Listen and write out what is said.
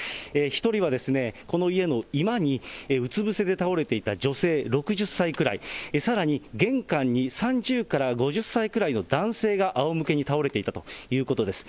１人はこの家の居間にうつぶせで倒れていた女性６０歳ぐらい、さらに、玄関に３０から５０歳ぐらいの男性があおむけに倒れていたということです。